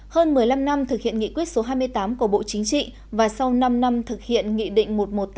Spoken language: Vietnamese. hơn một mươi năm năm thực hiện nghị quyết số hai mươi tám của bộ chính trị và sau năm năm thực hiện nghị định một trăm một mươi tám